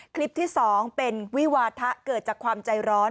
คลิปที่๒เป็นวิวาทะเกิดจากความใจร้อน